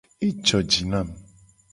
Ejo ji nam.